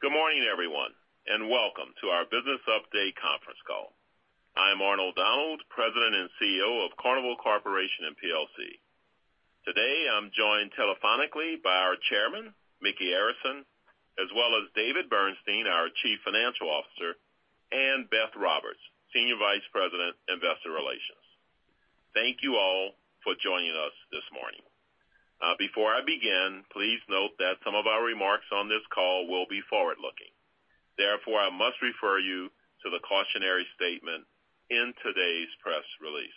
Good morning, everyone, and welcome to our business update conference call. I'm Arnold Donald, President and CEO of Carnival Corporation & plc. Today, I'm joined telephonically by our Chairman, Micky Arison, as well as David Bernstein, our Chief Financial Officer, and Beth Roberts, Senior Vice President, Investor Relations. Thank you all for joining us this morning. Before I begin, please note that some of our remarks on this call will be forward-looking. Therefore, I must refer you to the cautionary statement in today's press release.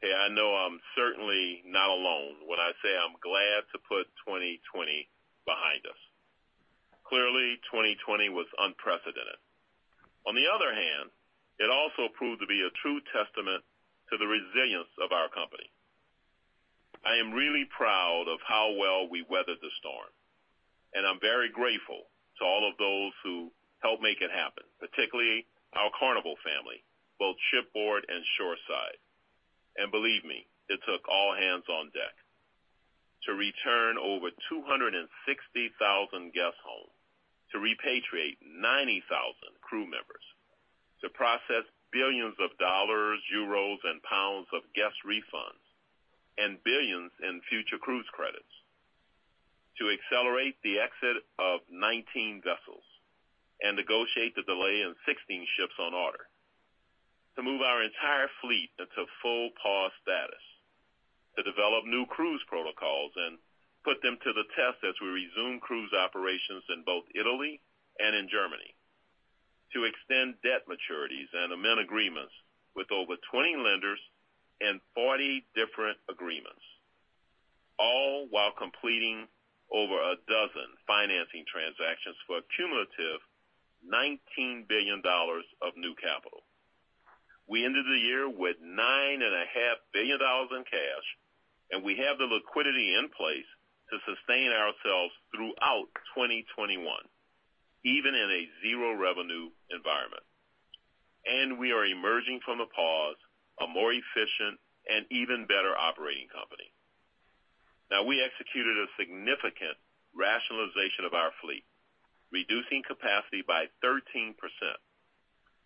Hey, I know I'm certainly not alone when I say I'm glad to put 2020 behind us. Clearly, 2020 was unprecedented. On the other hand, it also proved to be a true testament to the resilience of our company. I am really proud of how well we weathered the storm, and I'm very grateful to all of those who helped make it happen, particularly our Carnival family, both shipboard and shoreside. Believe me, it took all hands on deck to return over 260,000 guests home, to repatriate 90,000 crew members, to process billions of dollars, euros, and pounds of guest refunds, and billions in Future Cruise Credits, to accelerate the exit of 19 vessels and negotiate the delay in 16 ships on order, to move our entire fleet into full pause status, to develop new cruise protocols and put them to the test as we resume cruise operations in both Italy and in Germany, to extend debt maturities and amend agreements with over 20 lenders and 40 different agreements, all while completing over 12 financing transactions for a cumulative $19 billion of new capital. We ended the year with $9.5 billion in cash. We have the liquidity in place to sustain ourselves throughout 2021, even in a zero-revenue environment. We are emerging from the pause a more efficient and even better operating company. Now, we executed a significant rationalization of our fleet, reducing capacity by 13%.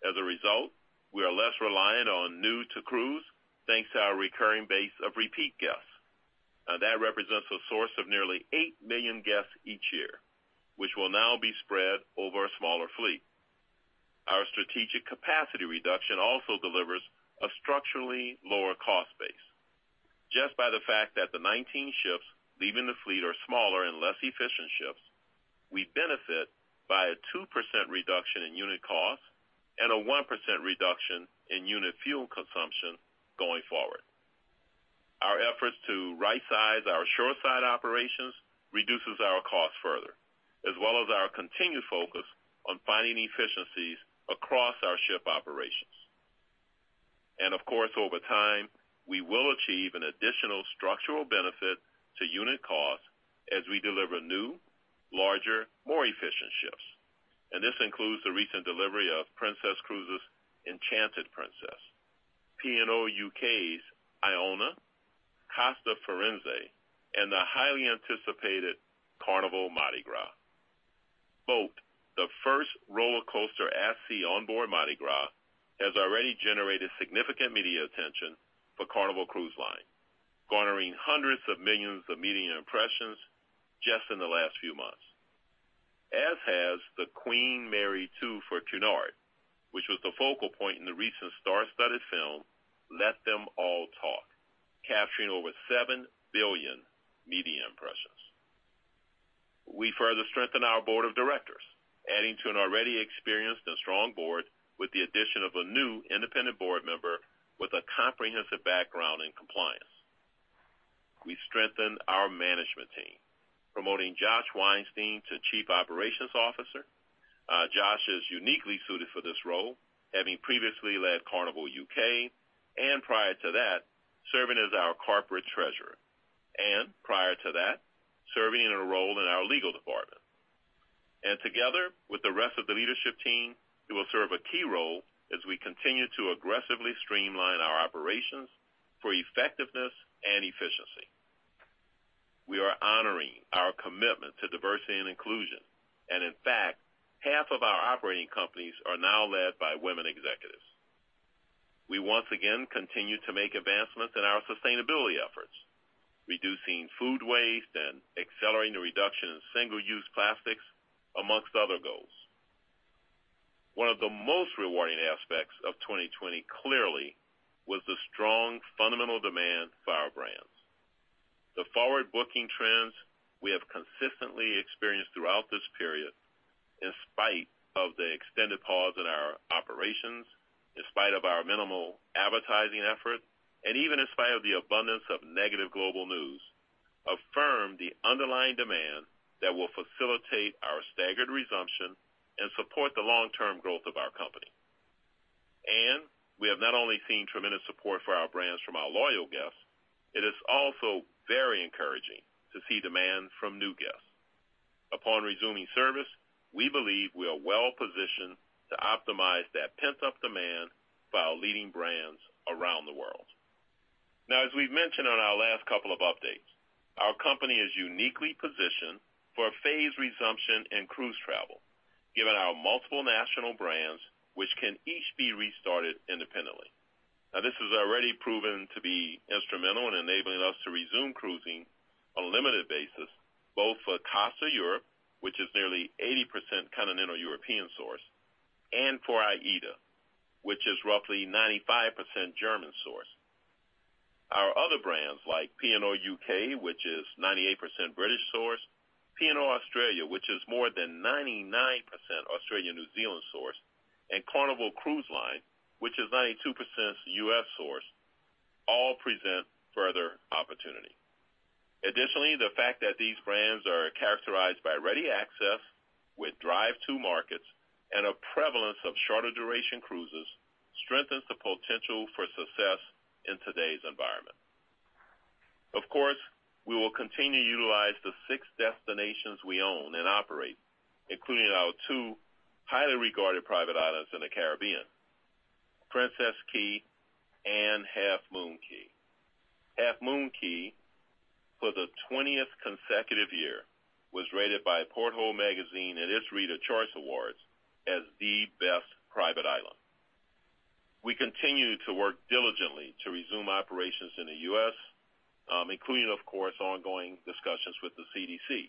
As a result, we are less reliant on new-to-cruise, thanks to our recurring base of repeat guests. Now, that represents a source of nearly eight million guests each year, which will now be spread over a smaller fleet. Our strategic capacity reduction also delivers a structurally lower cost base. Just by the fact that the 19 ships leaving the fleet are smaller and less efficient ships, we benefit by a 2% reduction in unit cost and a 1% reduction in unit fuel consumption going forward. Our efforts to rightsize our shoreside operations reduces our cost further, as well as our continued focus on finding efficiencies across our ship operations. Of course, over time, we will achieve an additional structural benefit to unit cost as we deliver new, larger, more efficient ships. This includes the recent delivery of Princess Cruises' Enchanted Princess, P&O UK's Iona, Costa Firenze, and the highly anticipated Carnival Mardi Gras. The first roller coaster at sea on board Mardi Gras has already generated significant media attention for Carnival Cruise Line, garnering hundreds of millions of media impressions just in the last few months, as has the Queen Mary 2 for Cunard, which was the focal point in the recent star-studded film, "Let Them All Talk," capturing over 7 billion media impressions. We further strengthened our board of directors, adding to an already experienced and strong board with the addition of a new independent board member with a comprehensive background in compliance. We strengthened our management team, promoting Josh Weinstein to Chief Operations Officer. Josh is uniquely suited for this role, having previously led Carnival UK, and prior to that, serving as our corporate treasurer, and prior to that, serving in a role in our legal department. Together with the rest of the leadership team, he will serve a key role as we continue to aggressively streamline our operations for effectiveness and efficiency. We are honoring our commitment to diversity and inclusion. In fact, half of our operating companies are now led by women executives. We once again continue to make advancements in our sustainability efforts, reducing food waste and accelerating the reduction in single-use plastics, amongst other goals. One of the most rewarding aspects of 2020 clearly was the strong fundamental demand for our brands. The forward-booking trends we have consistently experienced throughout this period, in spite of the extended pause in our operations, in spite of our minimal advertising effort, and even in spite of the abundance of negative global news, affirm the underlying demand that will facilitate our staggered resumption and support the long-term growth of our company. We have not only seen tremendous support for our brands from our loyal guests, it is also very encouraging to see demand from new guests. Upon resuming service, we believe we are well-positioned to optimize that pent-up demand for our leading brands around the world. As we've mentioned on our last couple of updates, our company is uniquely positioned for a phased resumption in cruise travel, given our multiple national brands, which can each be restarted independently. This has already proven to be instrumental in enabling us to resume cruising on a limited basis, both for Costa Europe, which is nearly 80% continental European source, and for AIDA, which is roughly 95% German source. Our other brands like P&O UK, which is 98% British source, P&O Australia, which is more than 99% Australian/New Zealand source, and Carnival Cruise Line, which is 92% U.S. source, all present further opportunity. Additionally, the fact that these brands are characterized by ready access with drive-to markets and a prevalence of shorter-duration cruises strengthens the potential for success in today's environment. Of course, we will continue to utilize the six destinations we own and operate, including our two highly regarded private islands in the Caribbean, Princess Cays and Half Moon Cay. Half Moon Cay, for the 20th consecutive year, was rated by Porthole Magazine in its Readers' Choice Awards as the best private island. We continue to work diligently to resume operations in the U.S., including, of course, ongoing discussions with the CDC.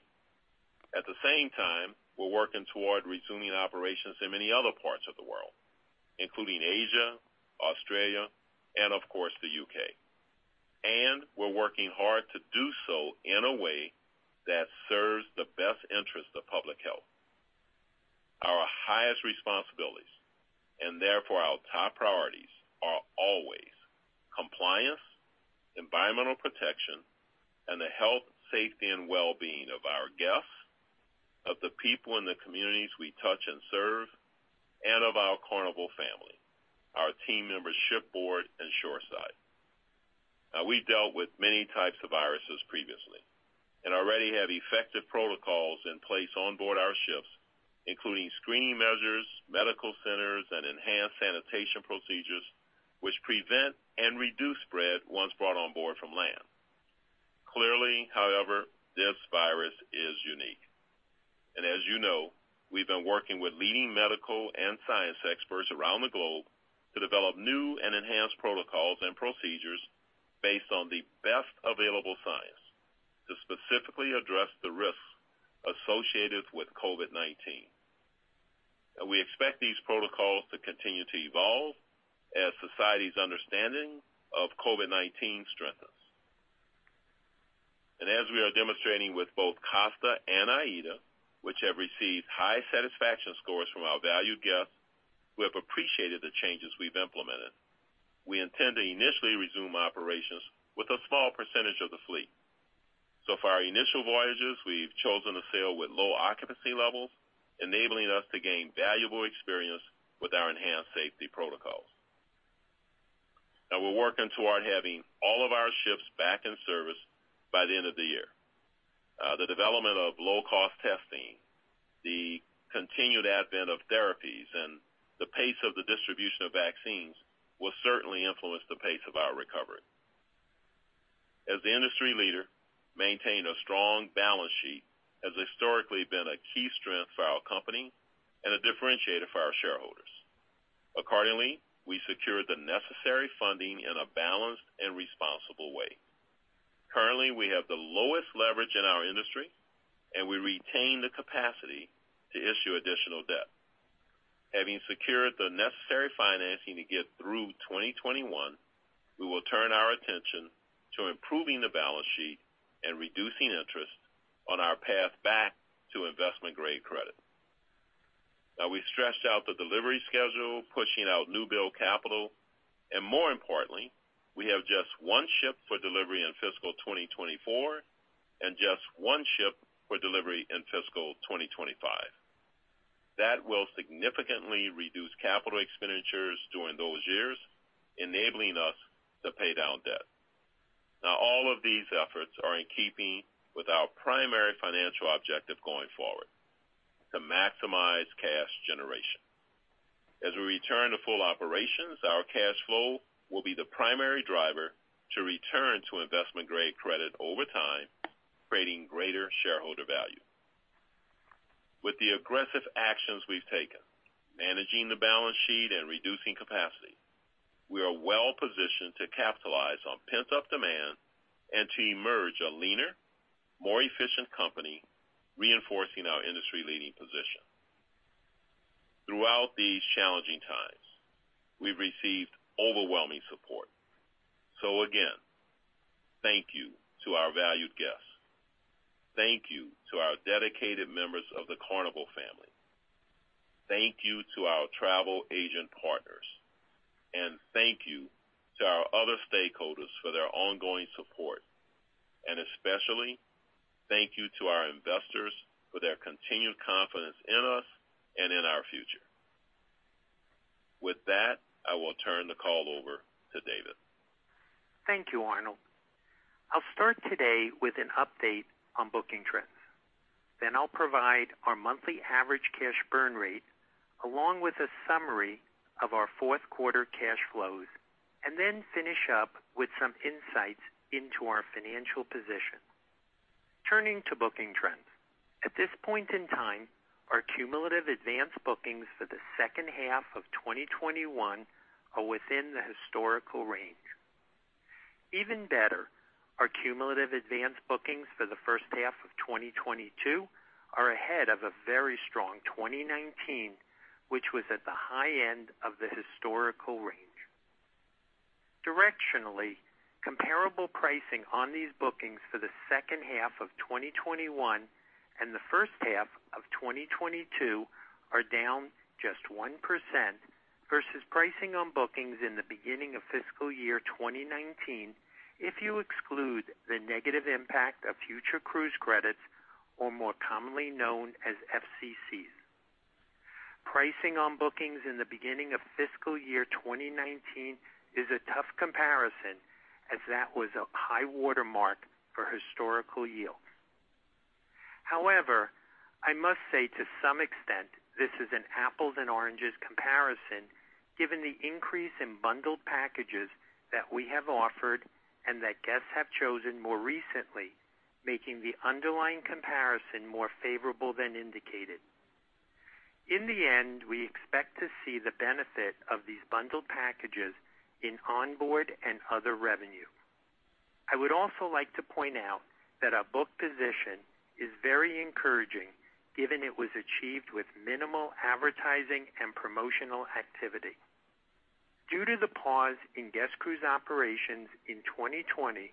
At the same time, we're working toward resuming operations in many other parts of the world, including Asia, Australia, and of course, the U.K. We're working hard to do so in a way that serves the best interest of public health. Our highest responsibilities, and therefore our top priorities, are always compliance, environmental protection, and the health, safety, and well-being of our guests, of the people in the communities we touch and serve, and of our Carnival family, our team members shipboard and shoreside. We dealt with many types of viruses previously and already have effective protocols in place on board our ships, including screening measures, medical centers, and enhanced sanitation procedures, which prevent and reduce spread once brought on board from land. Clearly, however, this virus is unique. As you know, we've been working with leading medical and science experts around the globe to develop new and enhanced protocols and procedures based on the best available science to specifically address the risks associated with COVID-19. We expect these protocols to continue to evolve as society's understanding of COVID-19 strengthens. As we are demonstrating with both Costa and AIDA, which have received high satisfaction scores from our valued guests who have appreciated the changes we've implemented, we intend to initially resume operations with a small percentage of the fleet. For our initial voyages, we've chosen to sail with low occupancy levels, enabling us to gain valuable experience with our enhanced safety protocols. Now we're working toward having all of our ships back in service by the end of the year. The development of low-cost testing, the continued advent of therapies, and the pace of the distribution of vaccines will certainly influence the pace of our recovery. As the industry leader, maintaining a strong balance sheet has historically been a key strength for our company and a differentiator for our shareholders. Accordingly, we secured the necessary funding in a balanced and responsible way. Currently, we have the lowest leverage in our industry, and we retain the capacity to issue additional debt. Having secured the necessary financing to get through 2021, we will turn our attention to improving the balance sheet and reducing interest on our path back to investment-grade credit. Now we've stretched out the delivery schedule, pushing out new build capital, and more importantly, we have just one ship for delivery in fiscal 2024 and just one ship for delivery in fiscal 2025. That will significantly reduce capital expenditures during those years, enabling us to pay down debt. Now, all of these efforts are in keeping with our primary financial objective going forward, to maximize cash generation. As we return to full operations, our cash flow will be the primary driver to return to investment-grade credit over time, creating greater shareholder value. With the aggressive actions we've taken, managing the balance sheet and reducing capacity, we are well-positioned to capitalize on pent-up demand and to emerge a leaner, more efficient company, reinforcing our industry-leading position. Throughout these challenging times, we've received overwhelming support. Again, thank you to our valued guests, thank you to our dedicated members of the Carnival family, thank you to our travel agent partners, and thank you to our other stakeholders for their ongoing support. Especially thank you to our investors for their continued confidence in us and in our future. With that, I will turn the call over to David. Thank you, Arnold. I'll start today with an update on booking trends. I'll provide our monthly average cash burn rate along with a summary of our fourth quarter cash flows, and then finish up with some insights into our financial position. Turning to booking trends. At this point in time, our cumulative advanced bookings for the second half of 2021 are within the historical range. Even better, our cumulative advanced bookings for the first half of 2022 are ahead of a very strong 2019, which was at the high end of the historical range. Directionally, comparable pricing on these bookings for the second half of 2021 and the first half of 2022 are down just 1% versus pricing on bookings in the beginning of fiscal year 2019, if you exclude the negative impact of Future Cruise Credits, or more commonly known as FCCs. Pricing on bookings in the beginning of fiscal year 2019 is a tough comparison, as that was a high watermark for historical yield. However, I must say to some extent, this is an apples and oranges comparison given the increase in bundled packages that we have offered and that guests have chosen more recently, making the underlying comparison more favorable than indicated. In the end, we expect to see the benefit of these bundled packages in onboard and other revenue. I would also like to point out that our book position is very encouraging, given it was achieved with minimal advertising and promotional activity. Due to the pause in guest cruise operations in 2020,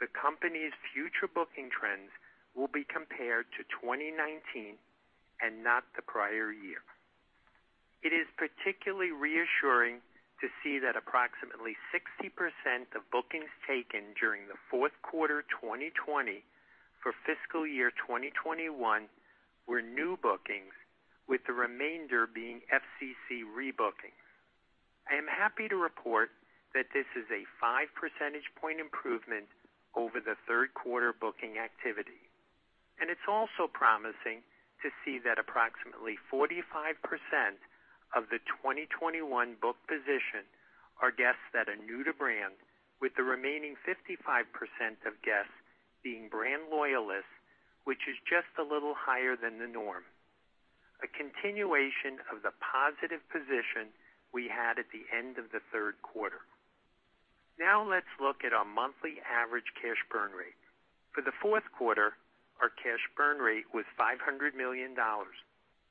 the company's future booking trends will be compared to 2019 and not the prior year. It is particularly reassuring to see that approximately 60% of bookings taken during the fourth quarter 2020 for fiscal year 2021 were new bookings, with the remainder being FCC rebookings. I am happy to report that this is a five percentage point improvement over the third quarter booking activity. It's also promising to see that approximately 45% of the 2021 book position are guests that are new to brand, with the remaining 55% of guests being brand loyalists, which is just a little higher than the norm, a continuation of the positive position we had at the end of the third quarter. Now let's look at our monthly average cash burn rate. For the fourth quarter, our cash burn rate was $500 million,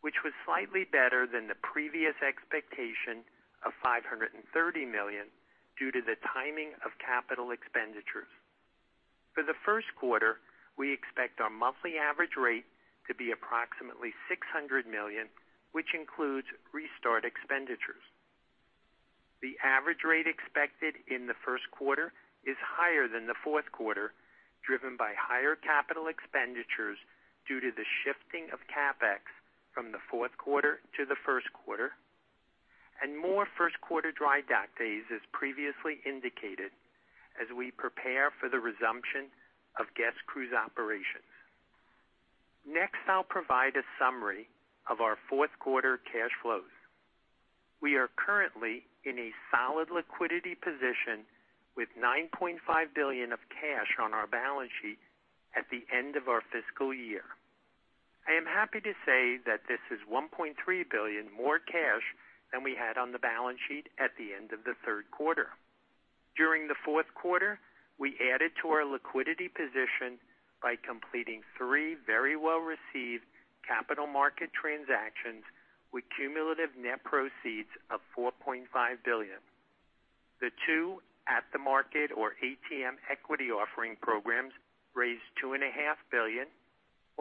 which was slightly better than the previous expectation of $530 million due to the timing of capital expenditures. For the first quarter, we expect our monthly average rate to be approximately $600 million, which includes restart expenditures. The average rate expected in the first quarter is higher than the fourth quarter, driven by higher capital expenditures due to the shifting of CapEx from the fourth quarter to the first quarter and more first quarter dry dock days, as previously indicated, as we prepare for the resumption of guest cruise operations. I'll provide a summary of our fourth quarter cash flows. We are currently in a solid liquidity position with $9.5 billion of cash on our balance sheet at the end of our fiscal year. I am happy to say that this is $1.3 billion more cash than we had on the balance sheet at the end of the third quarter. During the fourth quarter, we added to our liquidity position by completing three very well-received capital market transactions with cumulative net proceeds of $4.5 billion. The two at-the-market or ATM equity offering programs raised $2.5 billion,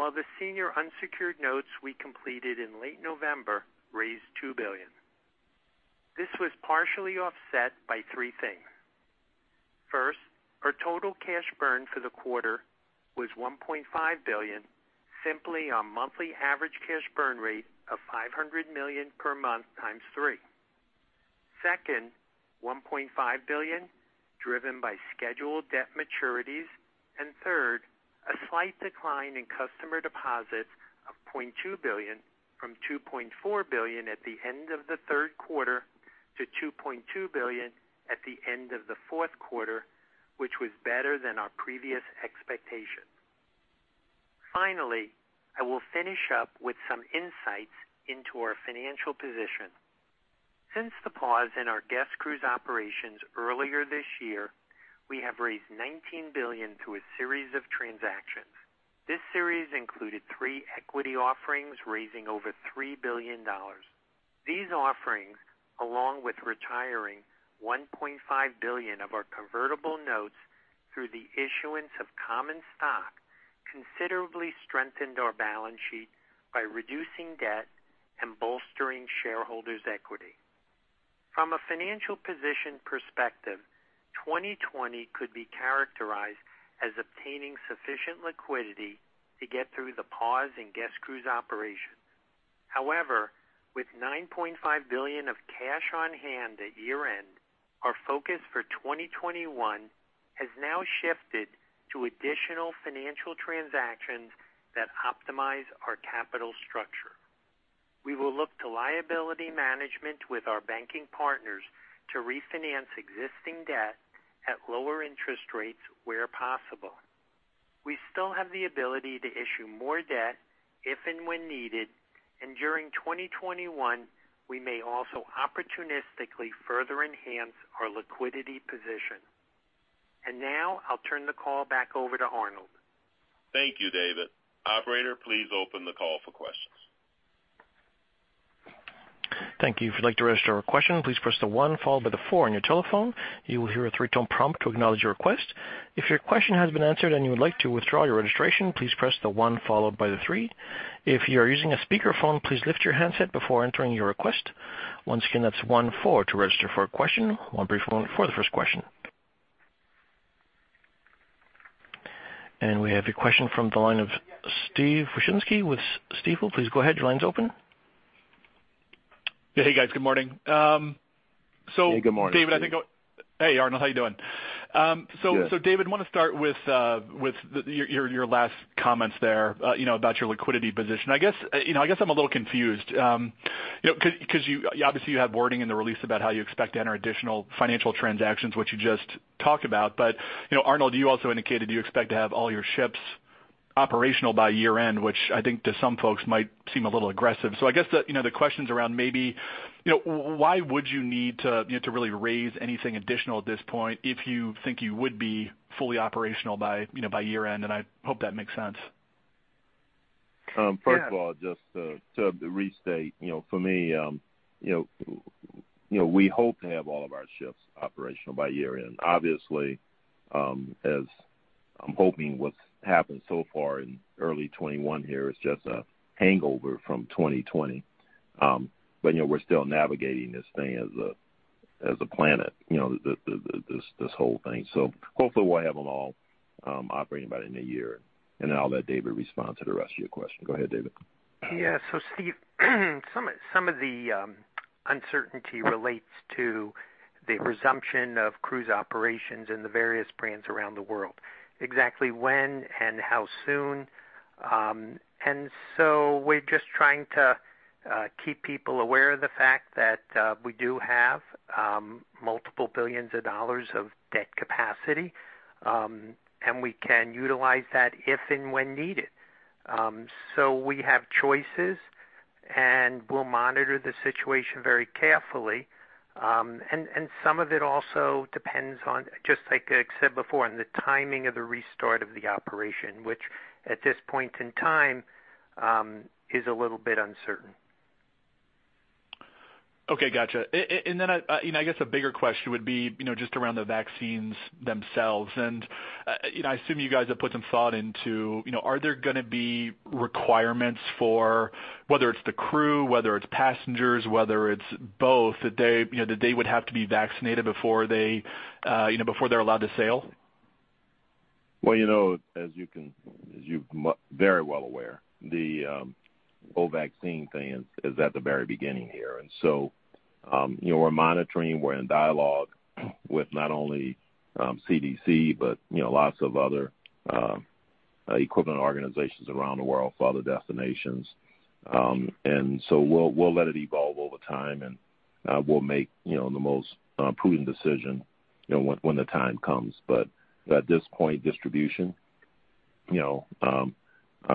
while the senior unsecured notes we completed in late November raised $2 billion. This was partially offset by three things. First, our total cash burn for the quarter was $1.5 billion, simply our monthly average cash burn rate of $500 million per month times three. Second, $1.5 billion driven by scheduled debt maturities, and third, a slight decline in customer deposits of $0.2 billion from $2.4 billion at the end of the third quarter to $2.2 billion at the end of the fourth quarter, which was better than our previous expectation. Finally, I will finish up with some insights into our financial position. Since the pause in our guest cruise operations earlier this year, we have raised $19 billion through a series of transactions. This series included three equity offerings, raising over $3 billion. These offerings, along with retiring $1.5 billion of our convertible notes through the issuance of common stock, considerably strengthened our balance sheet by reducing debt and bolstering shareholders' equity. From a financial position perspective, 2020 could be characterized as obtaining sufficient liquidity to get through the pause in guest cruise operations. However, with $9.5 billion of cash on hand at year-end, our focus for 2021 has now shifted to additional financial transactions that optimize our capital structure. We will look to liability management with our banking partners to refinance existing debt at lower interest rates where possible. We still have the ability to issue more debt if and when needed, during 2021, we may also opportunistically further enhance our liquidity position. Now I'll turn the call back over to Arnold. Thank you, David. Operator, please open the call for questions. We have a question from the line of Steve Wieczynski with Stifel. Please go ahead, your line's open. Hey, guys. Good morning. Hey, good morning. Hey, Arnold, how you doing? Good. David, want to start with your last comments there about your liquidity position. I guess I'm a little confused, because obviously you have wording in the release about how you expect to enter additional financial transactions, which you just talked about. Arnold, you also indicated you expect to have all your ships operational by year-end, which I think to some folks might seem a little aggressive. I guess the question's around maybe, why would you need to really raise anything additional at this point if you think you would be fully operational by year-end? I hope that makes sense. First of all, just to restate, for me, we hope to have all of our ships operational by year-end. Obviously, as I'm hoping what's happened so far in early 2021 here is just a hangover from 2020. We're still navigating this thing as a planet, this whole thing. Hopefully we'll have them all operating by the end of the year, and then I'll let David respond to the rest of your question. Go ahead, David. Yeah. Steve, some of the uncertainty relates to the resumption of cruise operations in the various brands around the world, exactly when and how soon. We're just trying to keep people aware of the fact that we do have multiple billions of dollars of debt capacity, and we can utilize that if and when needed. We have choices, and we'll monitor the situation very carefully. Some of it also depends on, just like I said before, on the timing of the restart of the operation, which at this point in time, is a little bit uncertain. Okay, got you. I guess a bigger question would be just around the vaccines themselves. I assume you guys have put some thought into, are there going to be requirements for whether it's the crew, whether it's passengers, whether it's both, that they would have to be vaccinated before they're allowed to sail? Well, as you're very well aware, the whole vaccine thing is at the very beginning here. We're monitoring, we're in dialogue with not only CDC, but lots of other equivalent organizations around the world for other destinations. We'll let it evolve over time, and we'll make the most prudent decision when the time comes. At this point, distribution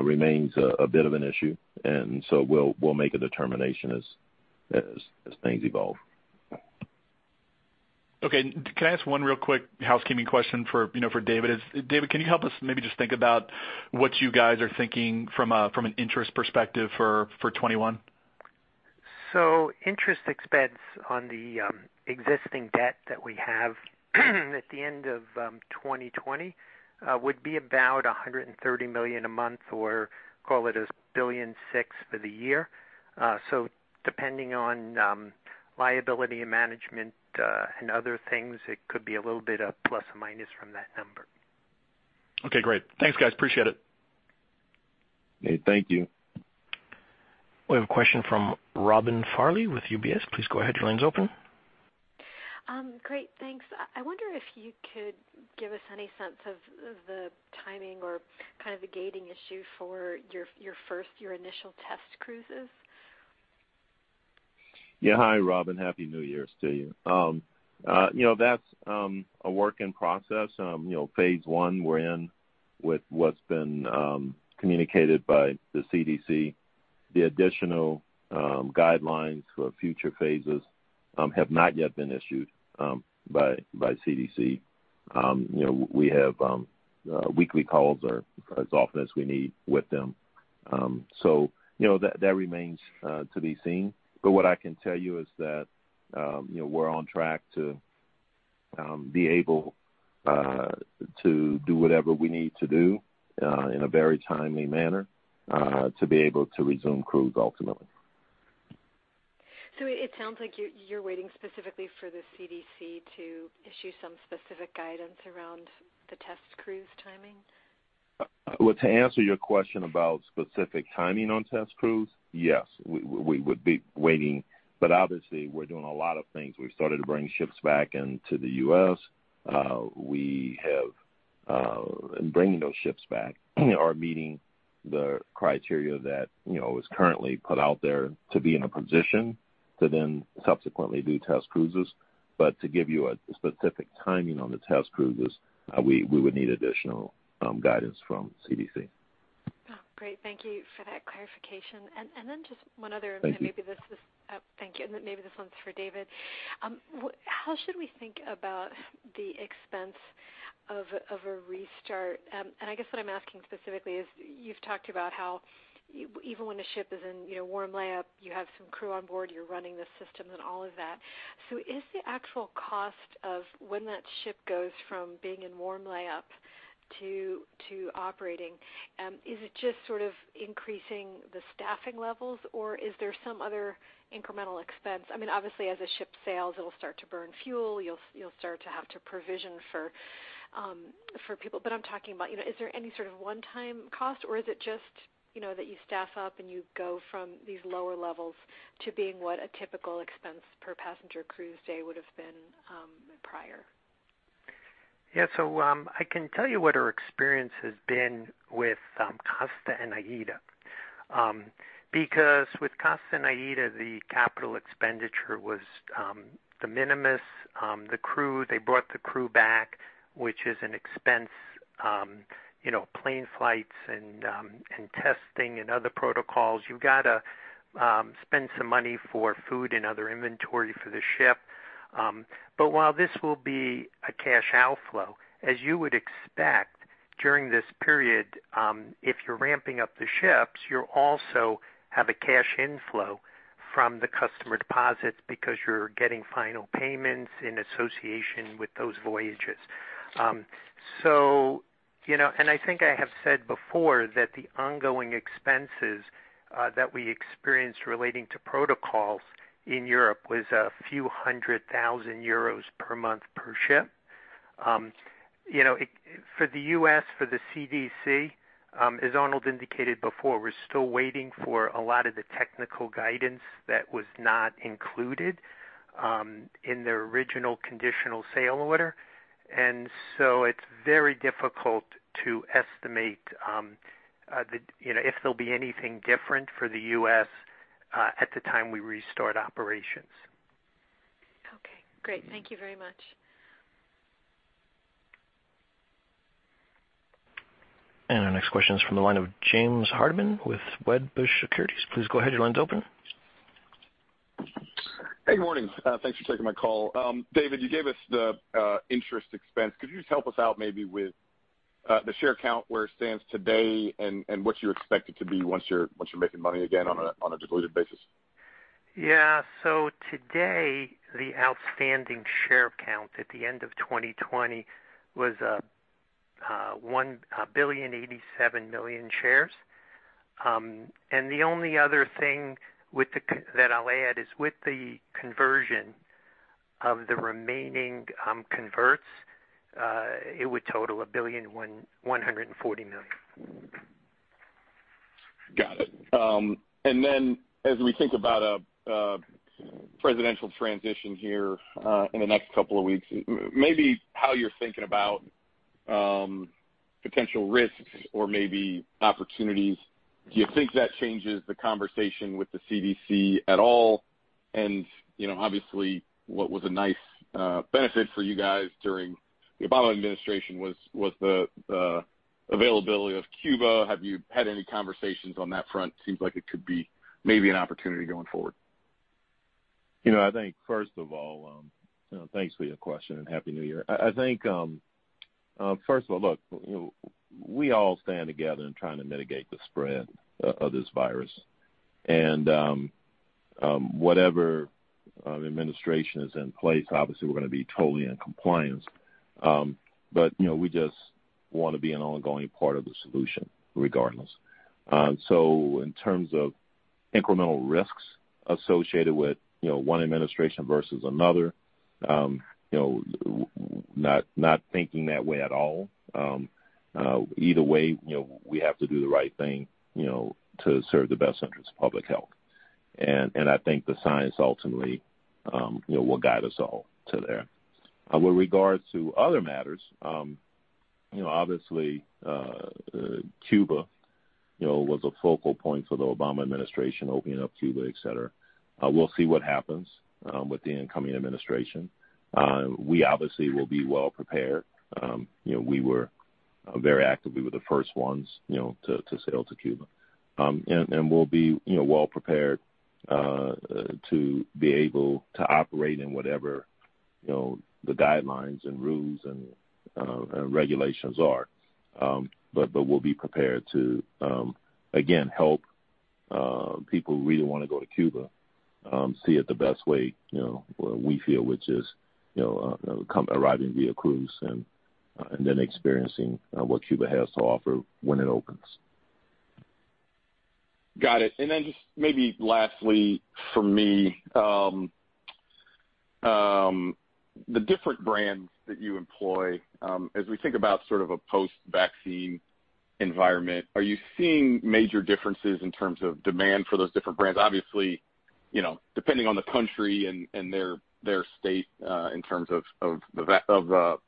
remains a bit of an issue, and so we'll make a determination as things evolve. Okay. Can I ask one real quick housekeeping question for David? David, can you help us maybe just think about what you guys are thinking from an interest perspective for 2021? Interest expense on the existing debt that we have at the end of 2020 would be about $130 million a month, or call it $1.6 billion for the year. Depending on liability management and other things, it could be a little bit of plus or minus from that number. Okay, great. Thanks, guys. Appreciate it. Okay. Thank you. We have a question from Robin Farley with UBS. Please go ahead, your line's open. Great. Thanks. I wonder if you could give us any sense of the timing or kind of the gating issue for your initial test cruises? Yeah. Hi, Robin. Happy New Year to you. That's a work in process. Phase one we're in with what's been communicated by the CDC. The additional guidelines for future phases have not yet been issued by CDC. We have weekly calls or as often as we need with them. That remains to be seen. What I can tell you is that we're on track to be able to do whatever we need to do in a very timely manner to be able to resume cruise ultimately. It sounds like you're waiting specifically for the CDC to issue some specific guidance around the test cruise timing. Well, to answer your question about specific timing on test cruise, yes, we would be waiting, but obviously we're doing a lot of things. We've started to bring ships back into the U.S. Bringing those ships back are meeting the criteria that is currently put out there to be in a position to then subsequently do test cruises. To give you a specific timing on the test cruises, we would need additional guidance from CDC. Oh, great. Thank you for that clarification. Then just one other. Thank you. Thank you. Then maybe this one's for David. How should we think about the expense of a restart? I guess what I'm asking specifically is, you've talked about how even when a ship is in warm lay up, you have some crew on board, you're running the systems and all of that. Is the actual cost of when that ship goes from being in warm lay up to operating, is it just sort of increasing the staffing levels, or is there some other incremental expense? Obviously, as a ship sails, it'll start to burn fuel. You'll start to have to provision for people. I'm talking about, is there any sort of one-time cost, or is it just that you staff up and you go from these lower levels to being what a typical expense per passenger cruise day would've been, prior? I can tell you what our experience has been with Costa and AIDA. With Costa and AIDA, the capital expenditure was de minimis. The crew, they brought the crew back, which is an expense. Plane flights and testing and other protocols. You've got to spend some money for food and other inventory for the ship. While this will be a cash outflow, as you would expect during this period, if you're ramping up the ships, you also have a cash inflow from the customer deposits because you're getting final payments in association with those voyages. I think I have said before that the ongoing expenses that we experienced relating to protocols in Europe was a few hundred thousand euros per month per ship. For the U.S., for the CDC, as Arnold indicated before, we're still waiting for a lot of the technical guidance that was not included in their original Conditional Sailing Order. It's very difficult to estimate if there'll be anything different for the U.S. at the time we restart operations. Okay, great. Thank you very much. Our next question is from the line of James Hardiman with Wedbush Securities. Hey, good morning. Thanks for taking my call. David, you gave us the interest expense. Could you just help us out maybe with the share count, where it stands today and what you expect it to be once you're making money again on a diluted basis? Today, the outstanding share count at the end of 2020 was 1,087,000,000 shares. The only other thing that I'll add is with the conversion of the remaining converts, it would total 1,140,000,000. Got it. As we think about a presidential transition here in the next couple of weeks, maybe how you're thinking about potential risks or maybe opportunities? Do you think that changes the conversation with the CDC at all? Obviously, what was a nice benefit for you guys during the Obama administration was the availability of Cuba. Have you had any conversations on that front? Seems like it could be maybe an opportunity going forward. I think first of all, thanks for your question and Happy New Year. I think, first of all, look, we all stand together in trying to mitigate the spread of this virus. Whatever administration is in place, obviously, we're going to be totally in compliance. We just want to be an ongoing part of the solution regardless. In terms of incremental risks associated with one administration versus another, not thinking that way at all. Either way, we have to do the right thing to serve the best interest of public health. I think the science ultimately will guide us all to there. With regards to other matters, obviously, Cuba was a focal point for the Obama administration, opening up Cuba, et cetera. We'll see what happens with the incoming administration. We obviously will be well prepared. We were very actively the first ones to sail to Cuba. We'll be well prepared to be able to operate in whatever the guidelines and rules and regulations are. We'll be prepared to, again, help people who really want to go to Cuba, see it the best way, where we feel, which is arriving via cruise and then experiencing what Cuba has to offer when it opens. Got it. Just maybe lastly from me, the different brands that you employ, as we think about sort of a post-vaccine environment, are you seeing major differences in terms of demand for those different brands? Obviously, depending on the country and their state in terms of the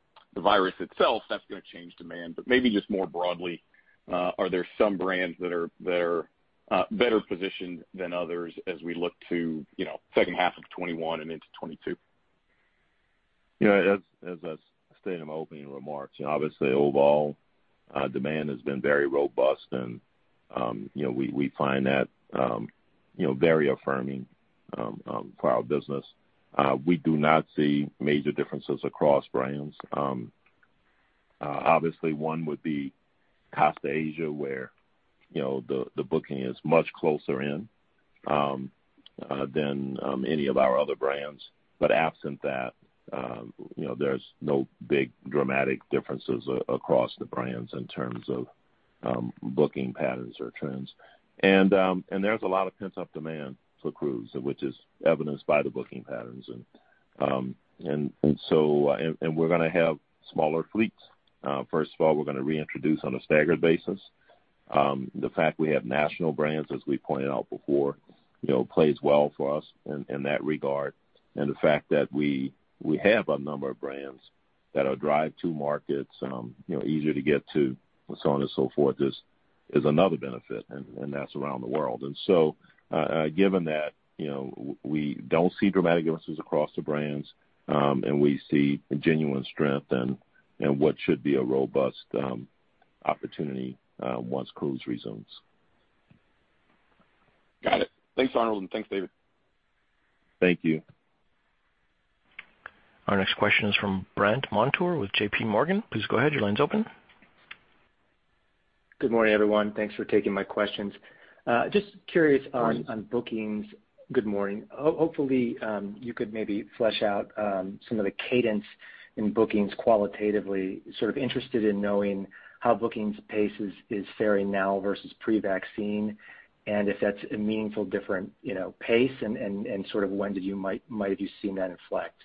virus itself, that's going to change demand. Maybe just more broadly, are there some brands that are better positioned than others as we look to second half of 2021 and into 2022? Yeah. As I stated in my opening remarks, obviously overall demand has been very robust, and we find that very affirming for our business. We do not see major differences across brands. Obviously one would be Costa Asia, where the booking is much closer in than any of our other brands. Absent that, there's no big dramatic differences across the brands in terms of booking patterns or trends. There's a lot of pent-up demand for cruise, which is evidenced by the booking patterns. We're going to have smaller fleets. First of all, we're going to reintroduce on a staggered basis. The fact we have national brands, as we pointed out before, plays well for us in that regard. The fact that we have a number of brands that are drive-to markets, easier to get to, and so on and so forth, is another benefit, and that's around the world. Given that, we don't see dramatic differences across the brands, and we see genuine strength in what should be a robust opportunity once cruise resumes. Got it. Thanks, Arnold, and thanks, David. Thank you. Our next question is from Brandt Montour with JPMorgan. Please go ahead. Your line's open. Good morning, everyone. Thanks for taking my questions. Just curious on bookings. Morning. Good morning. Hopefully, you could maybe flesh out some of the cadence in bookings qualitatively, sort of interested in knowing how bookings pace is faring now versus pre-vaccine, and if that's a meaningful different pace, and sort of when might you see that inflect?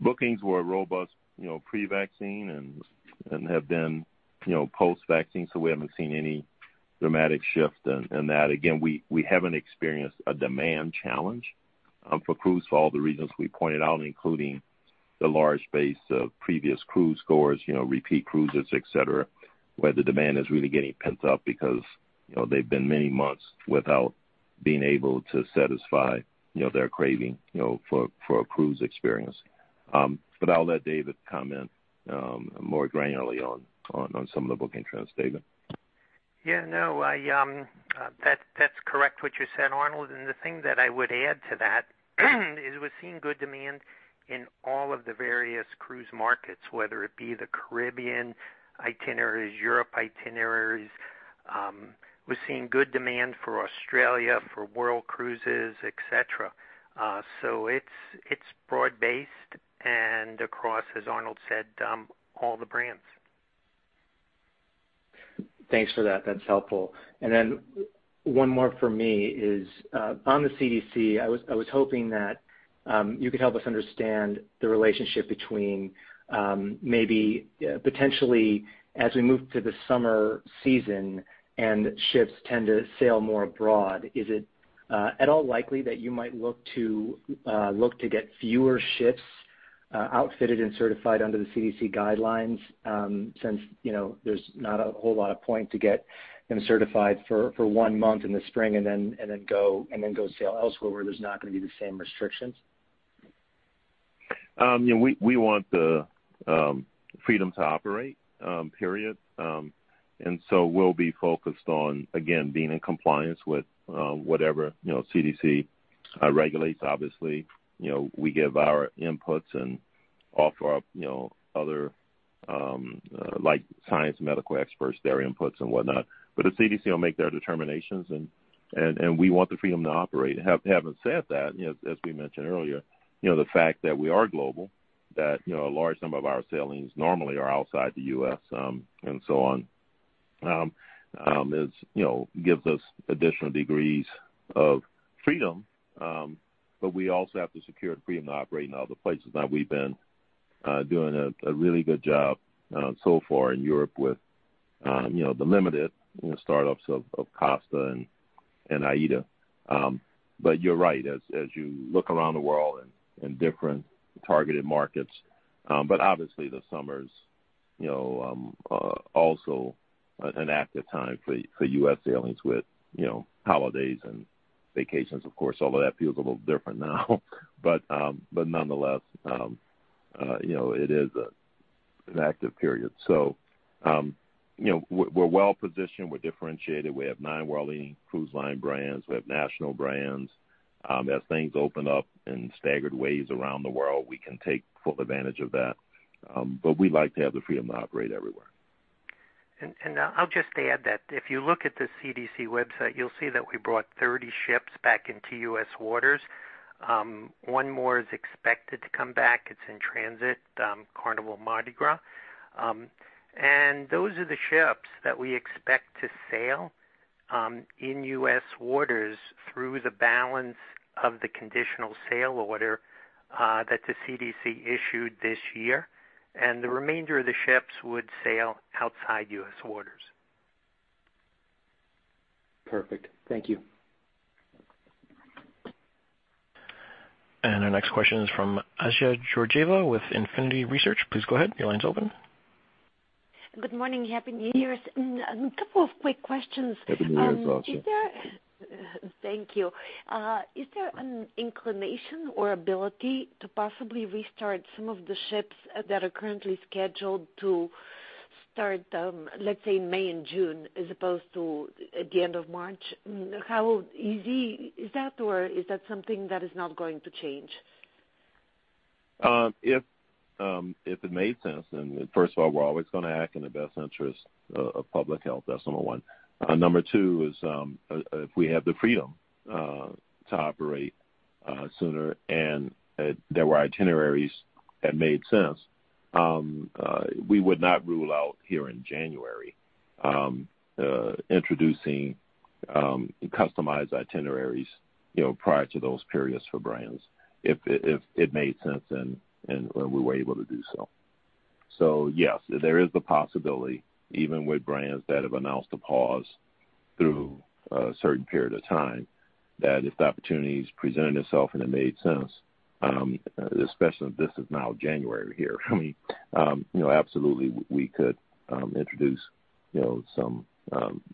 Bookings were robust pre-vaccine and have been post-vaccine, so we haven't seen any dramatic shift in that. Again, we haven't experienced a demand challenge for cruise for all the reasons we pointed out, including the large base of previous cruise goers, repeat cruisers, et cetera, where the demand is really getting pent-up because they've been many months without being able to satisfy their craving for a cruise experience. I'll let David comment more granularly on some of the booking trends. David? Yeah, that's correct what you said, Arnold. The thing that I would add to that is we're seeing good demand in all of the various cruise markets, whether it be the Caribbean itineraries, Europe itineraries. We're seeing good demand for Australia, for world cruises, et cetera. It's broad based and across, as Arnold said, all the brands. Thanks for that. That's helpful. One more from me is, on the CDC, I was hoping that you could help us understand the relationship between maybe potentially as we move to the summer season and ships tend to sail more abroad, is it at all likely that you might look to get fewer ships outfitted and certified under the CDC guidelines? Since there's not a whole lot of point to get them certified for one month in the spring and then go sail elsewhere where there's not going to be the same restrictions. We want the freedom to operate, period. We'll be focused on, again, being in compliance with whatever CDC regulates. Obviously, we give our inputs and offer up other science medical experts their inputs and whatnot. The CDC will make their determinations, and we want the freedom to operate. Having said that, as we mentioned earlier, the fact that we are global, that a large number of our sailings normally are outside the U.S. and so on, gives us additional degrees of freedom. We also have to secure the freedom to operate in other places, and we've been doing a really good job so far in Europe with the limited startups of Costa and AIDA. You're right, as you look around the world in different targeted markets. Obviously the summer's also an active time for U.S. sailings with holidays and vacations. Of course, all of that feels a little different now, nonetheless, it is an active period. We're well-positioned. We're differentiated. We have nine world-leading cruise line brands. We have national brands. As things open up in staggered ways around the world, we can take full advantage of that. We like to have the freedom to operate everywhere. I'll just add that if you look at the CDC website, you'll see that we brought 30 ships back into U.S. waters. One more is expected to come back. It's in transit, Carnival Mardi Gras. Those are the ships that we expect to sail in U.S. waters through the balance of the Conditional Sailing Order that the CDC issued this year, and the remainder of the ships would sail outside U.S. waters. Perfect. Thank you. Our next question is from Assia Georgieva with Infinity Research. Good morning. Happy New Year. A couple of quick questions. Happy New Year's also. Thank you. Is there an inclination or ability to possibly restart some of the ships that are currently scheduled to start, let's say, May and June, as opposed to at the end of March? How easy is that, or is that something that is not going to change? If it made sense and first of all, we're always going to act in the best interest of public health. That's number one. Number two is, if we have the freedom to operate sooner, and there were itineraries that made sense, we would not rule out here in January, introducing customized itineraries prior to those periods for brands, if it made sense and we were able to do so. Yes, there is the possibility, even with brands that have announced a pause through a certain period of time, that if the opportunity has presented itself and it made sense, especially if this is now January here, I mean, absolutely we could introduce some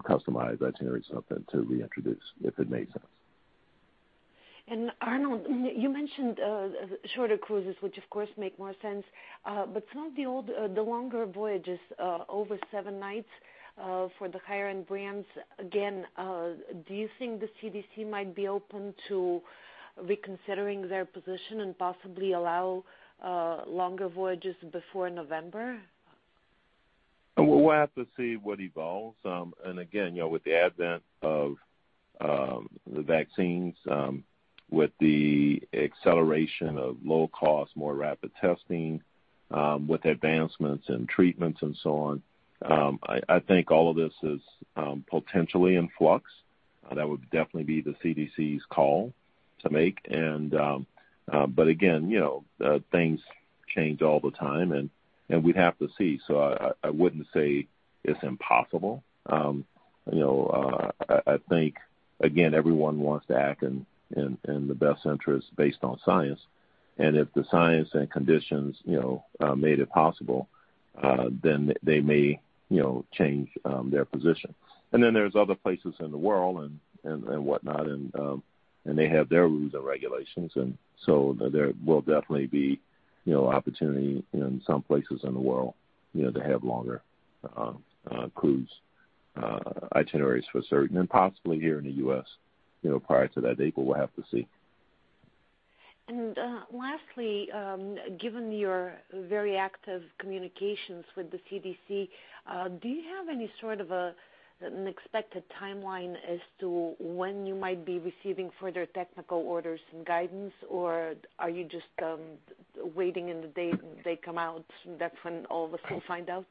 customized itineraries, something to reintroduce if it made sense. Arnold, you mentioned shorter cruises, which, of course, make more sense. Some of the longer voyages, over seven nights, for the higher-end brands, again, do you think the CDC might be open to reconsidering their position and possibly allow longer voyages before November? We'll have to see what evolves. Again, with the advent of the vaccines, with the acceleration of low-cost, more rapid testing, with advancements in treatments and so on, I think all of this is potentially in flux. That would definitely be the CDC's call to make. Again, things change all the time, and we'd have to see. I wouldn't say it's impossible. I think, again, everyone wants to act in the best interest based on science. If the science and conditions made it possible, they may change their position. There's other places in the world and whatnot, and they have their rules and regulations, there will definitely be opportunity in some places in the world to have longer cruise itineraries for certain, and possibly here in the U.S., prior to that date, we'll have to see. Lastly, given your very active communications with the CDC, do you have any sort of an expected timeline as to when you might be receiving further technical orders and guidance, or are you just waiting in the date they come out, that's when all of us will find out?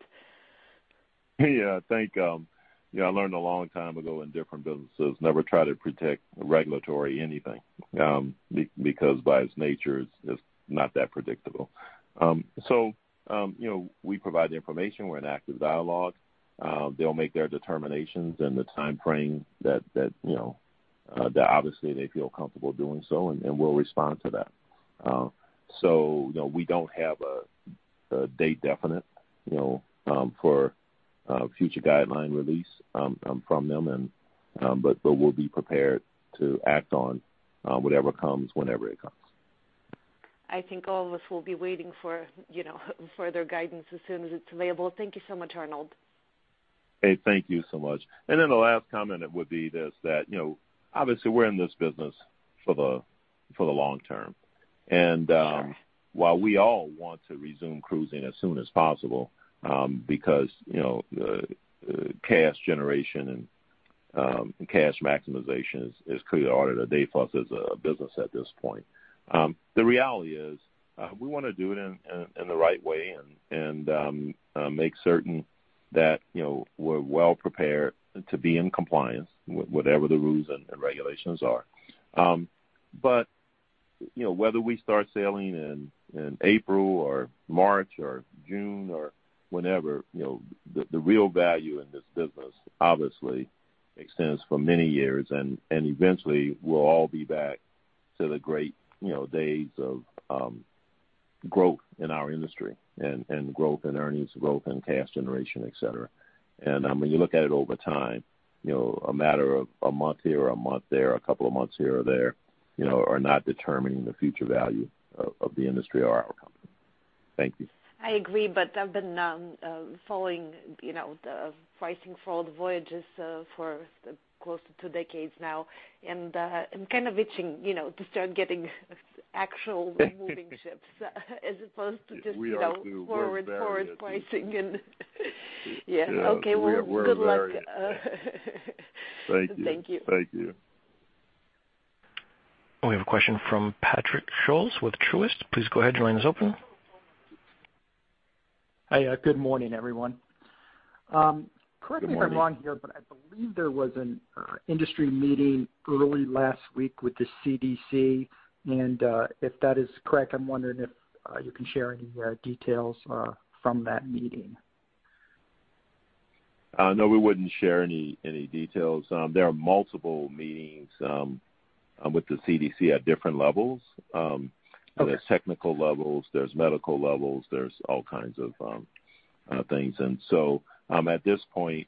Yeah, I think I learned a long time ago in different businesses, never try to predict regulatory anything, because by its nature, it's not that predictable. We provide the information. We're in active dialogue. They'll make their determinations in the time frame that obviously they feel comfortable doing so, and we'll respond to that. We don't have a date definite for future guideline release from them, but we'll be prepared to act on whatever comes, whenever it comes. I think all of us will be waiting for further guidance as soon as it's available. Thank you so much, Arnold. Hey, thank you so much. The last comment would be this, that obviously we're in this business for the long term. Sure. While we all want to resume cruising as soon as possible because cash generation and cash maximization is clearly the order of the day for us as a business at this point. The reality is, we want to do it in the right way and make certain that we're well-prepared to be in compliance, whatever the rules and regulations are. Whether we start sailing in April or March or June or whenever, the real value in this business obviously extends for many years, and eventually we'll all be back to the great days of growth in our industry and growth in earnings, growth in cash generation, et cetera. When you look at it over time, a matter of a month here or a month there, or a couple of months here or there, are not determining the future value of the industry or our company. Thank you. I agree, but I've been following the pricing for all the voyages for close to two decades now, and I'm kind of itching to start getting actual removing ships, as opposed to. We are too. Just forward pricing. Yeah. Okay. Yeah. Well, good luck. Thank you. Thank you. We have a question from Patrick Scholes with Truist. Please go ahead. Your line is open. Hi. Good morning, everyone. Good morning. Correct me if I'm wrong here. I believe there was an industry meeting early last week with the CDC. If that is correct, I'm wondering if you can share any details from that meeting. No, we wouldn't share any details. There are multiple meetings with the CDC at different levels. Okay. There's technical levels, there's medical levels, there's all kinds of things. At this point,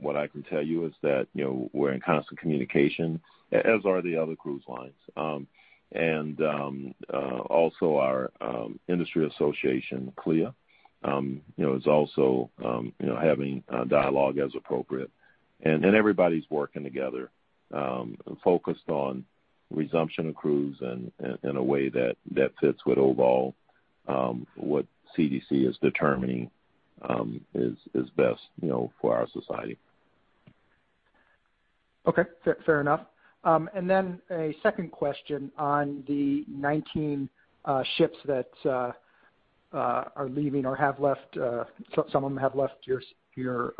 what I can tell you is that, we're in constant communication, as are the other cruise lines. Also our industry association, CLIA is also having dialogue as appropriate. Everybody's working together, focused on resumption of cruise in a way that fits with overall what CDC is determining is best for our society. Okay. Fair enough. A second question on the 19 ships that are leaving or some of them have left your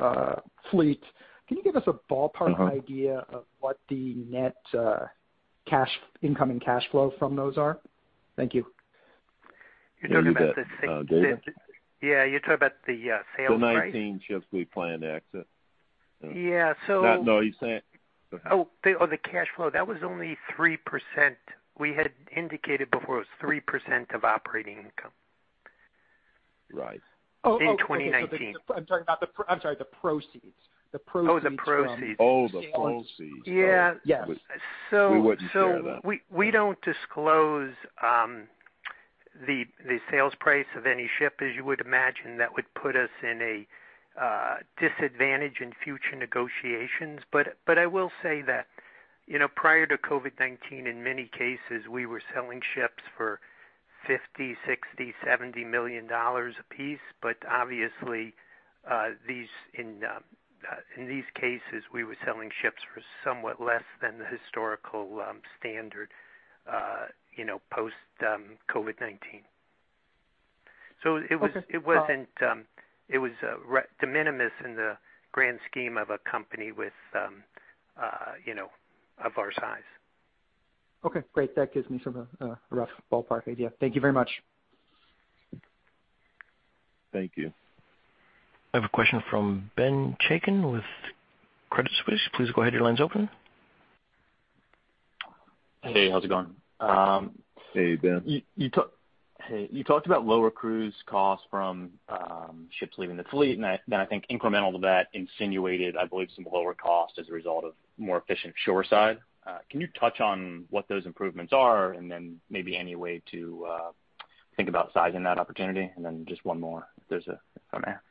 fleet. Can you give us a ballpark idea of what the net incoming cash flow from those are? Thank you. Yeah. You bet. David? Yeah. You're talking about the sale, right? The 19 ships we plan to exit. Yeah. No, you said. Go ahead. Oh, the cash flow. That was only 3%. We had indicated before it was 3% of operating income. Right. In 2019. Oh, okay. I'm sorry, the proceeds. Oh, the proceeds. Oh, the proceeds. Yeah. Yes. We wouldn't share that. We don't disclose the sales price of any ship. As you would imagine, that would put us in a disadvantage in future negotiations. I will say that, prior to COVID-19, in many cases, we were selling ships for $50 million, $60 million, $70 million apiece, but obviously, in these cases, we were selling ships for somewhat less than the historical standard post-COVID-19. It was de minimis in the grand scheme of a company of our size. Okay, great. That gives me sort of a rough ballpark idea. Thank you very much. Thank you. I have a question from Ben Chaiken with Credit Suisse. Please go ahead. Your line's open. Hey, how's it going? Hey, Ben. Hey. You talked about lower cruise costs from ships leaving the fleet, and then I think incremental to that, insinuated, I believe, some lower costs as a result of more efficient shoreside. Can you touch on what those improvements are, and then maybe any way to think about sizing that opportunity? Just one more if there's room there.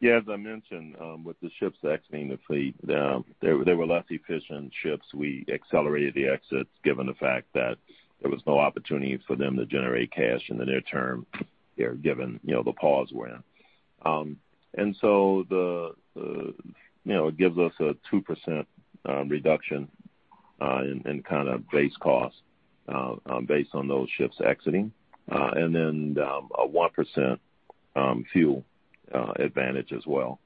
Yeah. As I mentioned, with the ships exiting the fleet, they were less efficient ships. We accelerated the exits given the fact that there was no opportunity for them to generate cash in the near term given the pause we're in. It gives us a 2% reduction in base cost based on those ships exiting. A 1% fuel advantage as well.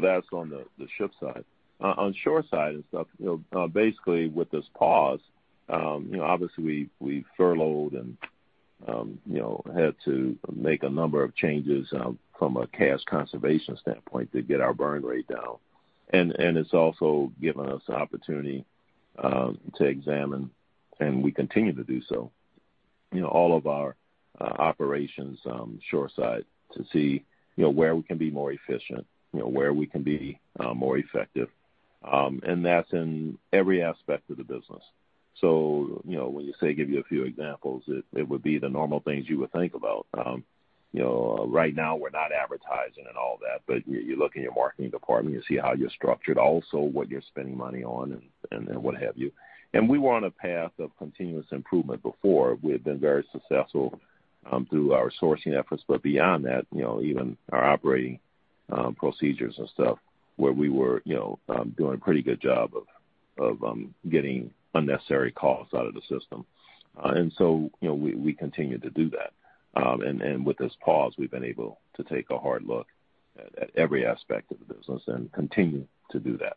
That's on the ship side. On shoreside and stuff, basically with this pause, obviously we furloughed and had to make a number of changes from a cash conservation standpoint to get our burn rate down. It's also given us an opportunity to examine, and we continue to do so, all of our operations shoreside to see where we can be more efficient, where we can be more effective. That's in every aspect of the business. When you say give you a few examples, it would be the normal things you would think about. Right now, we're not advertising and all that, but you look in your marketing department, you see how you're structured, also what you're spending money on and what have you. We were on a path of continuous improvement before. We had been very successful through our sourcing efforts. Beyond that, even our operating procedures and stuff, where we were doing a pretty good job of getting unnecessary costs out of the system. We continue to do that. With this pause, we've been able to take a hard look at every aspect of the business and continue to do that,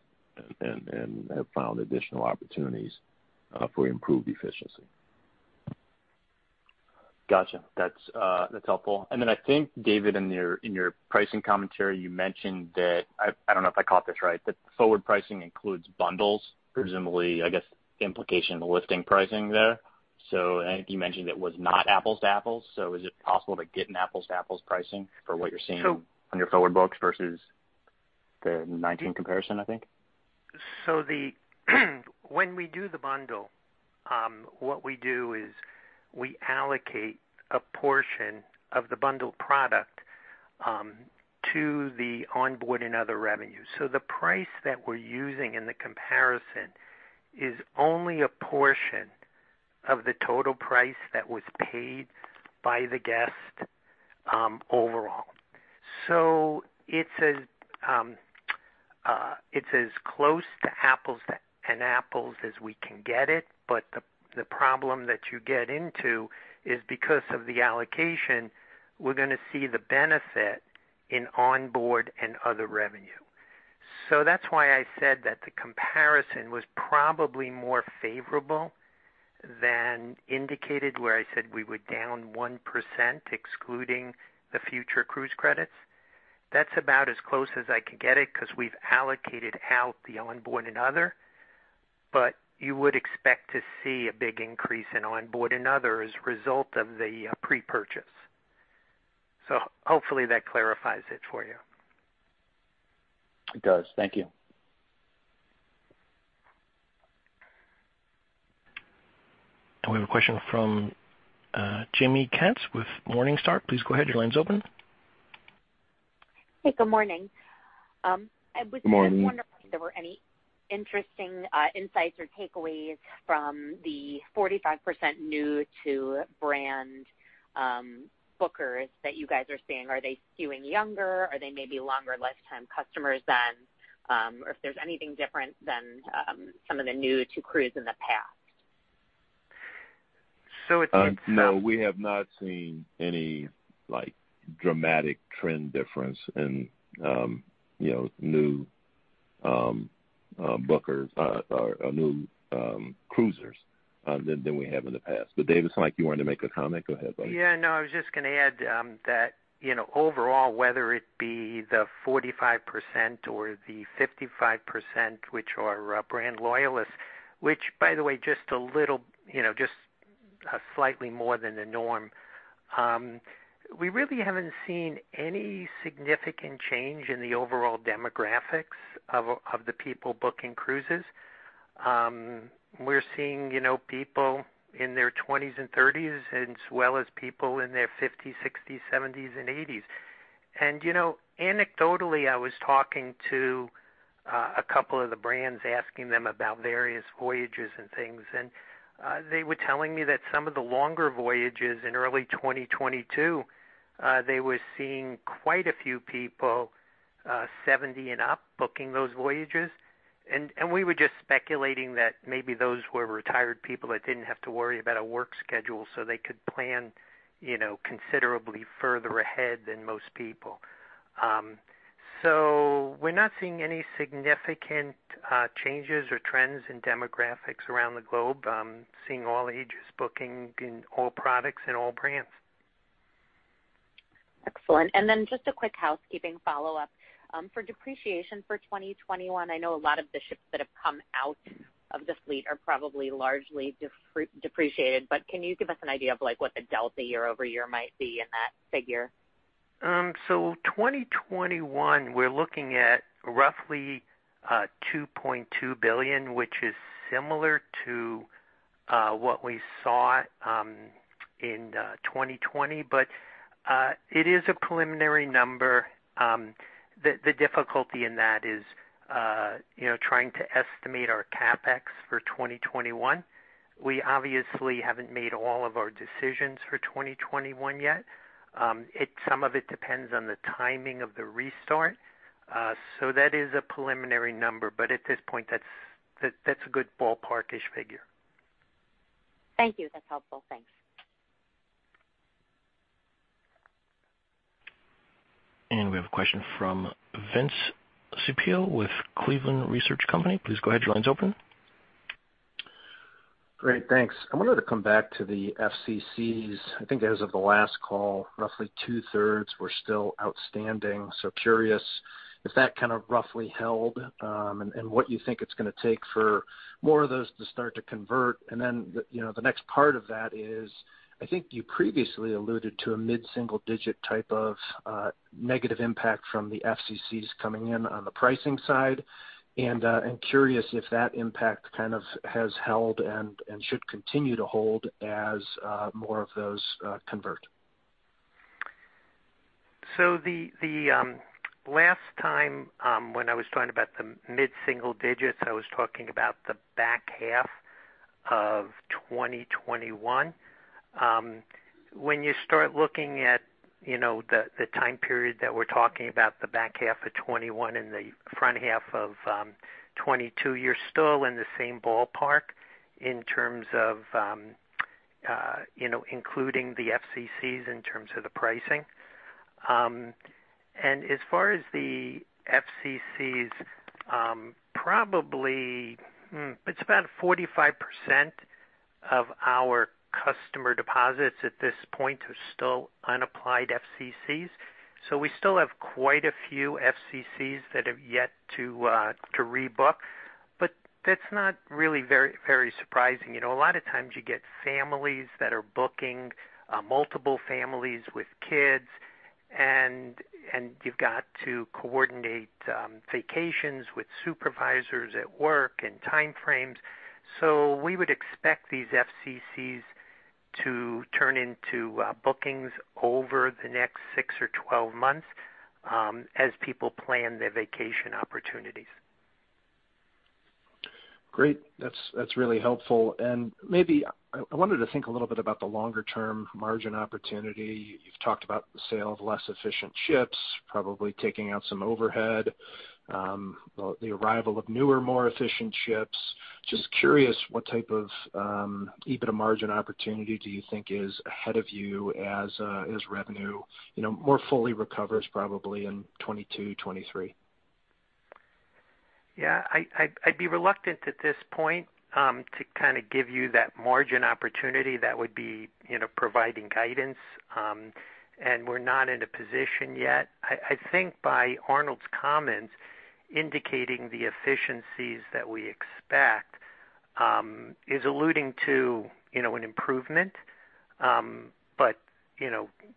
and have found additional opportunities for improved efficiency. Got you. That's helpful. I think, David, in your pricing commentary, you mentioned that, I don't know if I caught this right, that forward pricing includes bundles, presumably, I guess, implication listing pricing there. I think you mentioned it was not apples to apples, so is it possible to get an apples-to-apples pricing for what you're seeing on your forward books versus the 2019 comparison, I think? When we do the bundle, what we do is we allocate a portion of the bundled product to the onboard and other revenue. The price that we're using in the comparison is only a portion of the total price that was paid by the guest overall. It's as close to apples and apples as we can get it, but the problem that you get into is because of the allocation, we're going to see the benefit in onboard and other revenue. That's why I said that the comparison was probably more favorable than indicated, where I said we were down 1% excluding the Future Cruise Credits. That's about as close as I can get it because we've allocated out the onboard and other, but you would expect to see a big increase in onboard and other as a result of the pre-purchase. Hopefully that clarifies it for you. It does. Thank you. We have a question from Jaime Katz with Morningstar. Please go ahead. Your line's open. Hey, good morning. Morning. I was just wondering if there were any interesting insights or takeaways from the 45% new-to-brand bookers that you guys are seeing. Are they skewing younger? Are they maybe longer lifetime customers than or if there's anything different than some of the new-to-cruise in the past? So it's. No, we have not seen any dramatic trend difference in new bookers or new cruisers than we have in the past. David, it's like you wanted to make a comment? Go ahead, buddy. Yeah, no, I was just going to add that overall, whether it be the 45% or the 55%, which are brand loyalists, which by the way, just slightly more than the norm. We really haven't seen any significant change in the overall demographics of the people booking cruises. We're seeing people in their 20s and 30s, as well as people in their 50s, 60s, 70s and 80s. Anecdotally, I was talking to a couple of the brands, asking them about various voyages and things, and they were telling me that some of the longer voyages in early 2022, they were seeing quite a few people, 70 and up, booking those voyages. We were just speculating that maybe those were retired people that didn't have to worry about a work schedule so they could plan considerably further ahead than most people. We're not seeing any significant changes or trends in demographics around the globe. Seeing all ages booking in all products and all brands. Excellent. Just a quick housekeeping follow-up. For depreciation for 2021, I know a lot of the ships that have come out of the fleet are probably largely depreciated, but can you give us an idea of what the delta year-over-year might be in that figure? 2021, we're looking at roughly $2.2 billion, which is similar to what we saw in 2020. It is a preliminary number. The difficulty in that is trying to estimate our CapEx for 2021. We obviously haven't made all of our decisions for 2021 yet. Some of it depends on the timing of the restart. That is a preliminary number, but at this point, that's a good ballpark-ish figure. Thank you. That's helpful. Thanks. We have a question from Vince Ciepiel with Cleveland Research Company. Please go ahead. Your line's open. Great. Thanks. I wanted to come back to the FCCs. I think as of the last call, roughly two-thirds were still outstanding. Curious if that kind of roughly held, and what you think it's going to take for more of those to start to convert. The next part of that is, I think you previously alluded to a mid-single digit type of negative impact from the FCCs coming in on the pricing side. Curious if that impact kind of has held and should continue to hold as more of those convert. The last time when I was talking about the mid-single digits, I was talking about the back half of 2021. When you start looking at the time period that we're talking about, the back half of 2021 and the front half of 2022, you're still in the same ballpark in terms of including the FCCs in terms of the pricing. As far as the FCCs, probably it's about 45% of our customer deposits at this point are still unapplied FCCs. We still have quite a few FCCs that have yet to rebook. That's not really very surprising. A lot of times you get families that are booking, multiple families with kids, and you've got to coordinate vacations with supervisors at work and time frames. We would expect these FCCs to turn into bookings over the next six or 12 months as people plan their vacation opportunities. Great. That's really helpful. Maybe I wanted to think a little bit about the longer-term margin opportunity. You've talked about the sale of less efficient ships, probably taking out some overhead, the arrival of newer, more efficient ships. Just curious, what type of EBITDA margin opportunity do you think is ahead of you as revenue more fully recovers probably in 2022, 2023? I'd be reluctant at this point to give you that margin opportunity. That would be providing guidance, and we're not in a position yet. I think by Arnold's comments indicating the efficiencies that we expect is alluding to an improvement.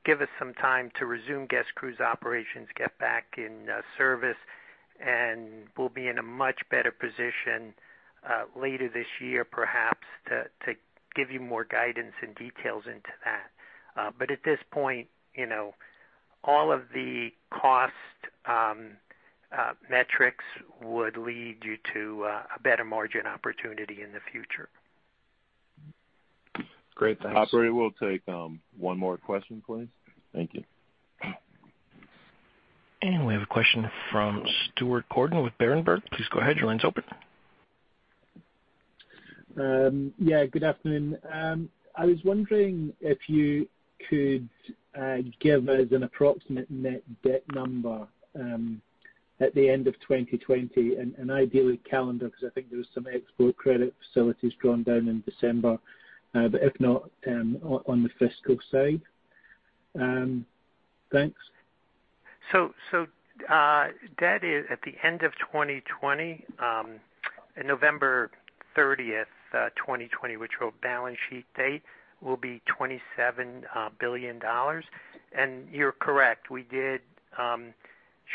Give us some time to resume guest cruise operations, get back in service, and we'll be in a much better position later this year, perhaps, to give you more guidance and details into that. At this point, all of the cost metrics would lead you to a better margin opportunity in the future. Great. Thanks. Operator, we'll take one more question, please. Thank you. We have a question from Stuart Gordon with Berenberg. Please go ahead. Your line's open. Yeah, good afternoon. I was wondering if you could give us an approximate net debt number at the end of 2020 and ideally calendar, because I think there was some export credit facilities drawn down in December. But if not, on the fiscal side? Thanks. Debt at the end of 2020, November 30th, 2020, which were balance sheet date, will be $27 billion. You're correct,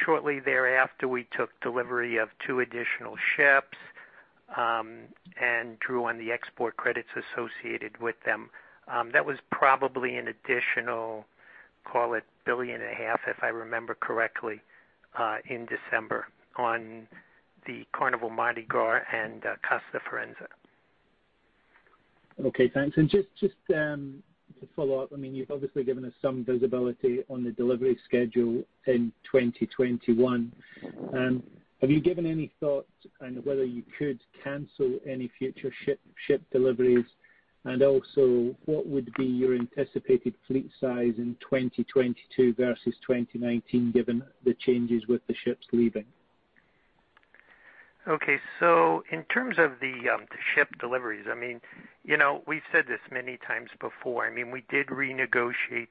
shortly thereafter, we took delivery of two additional ships and drew on the export credits associated with them. That was probably an additional, call it, billion and a half, if I remember correctly, in December on the Carnival Mardi Gras and Costa Firenze. Okay, thanks. Just to follow up, you've obviously given us some visibility on the delivery schedule in 2021. Have you given any thought on whether you could cancel any future ship deliveries? Also, what would be your anticipated fleet size in 2022 versus 2019, given the changes with the ships leaving? In terms of the ship deliveries, we've said this many times before. We did renegotiate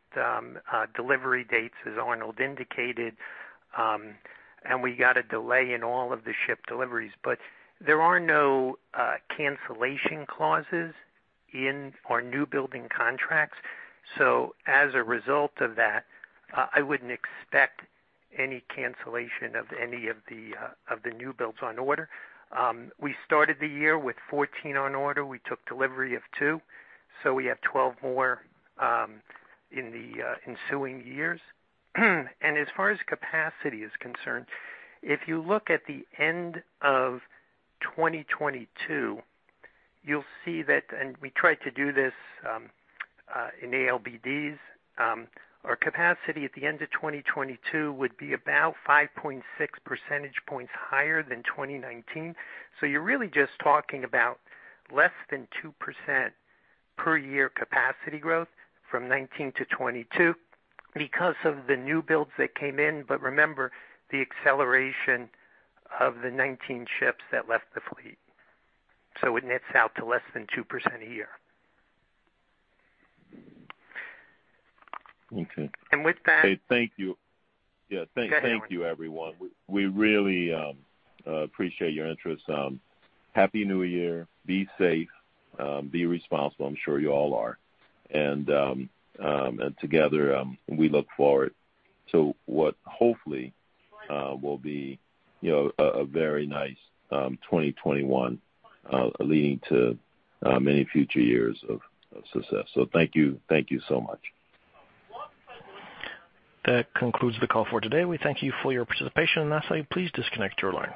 delivery dates, as Arnold indicated, and we got a delay in all of the ship deliveries. There are no cancellation clauses in our new building contracts. As a result of that, I wouldn't expect any cancellation of any of the new builds on order. We started the year with 14 on order. We took delivery of two, so we have 12 more in the ensuing years. As far as capacity is concerned, if you look at the end of 2022, you'll see that, and we tried to do this in ALBDs. Our capacity at the end of 2022 would be about 5.6 percentage points higher than 2019. You're really just talking about less than 2% per year capacity growth from 2019 to 2022 because of the new builds that came in. Remember, the acceleration of the 19 ships that left the fleet. It nets out to less than 2% a year. Okay. With that. Okay. Thank you. Yeah. Go ahead,. Thank you, everyone. We really appreciate your interest. Happy New Year. Be safe, be responsible. I'm sure you all are. Together, we look forward to what hopefully will be a very nice 2021, leading to many future years of success. Thank you so much. That concludes the call for today. We thank you for your participation. Lastly, please disconnect your line.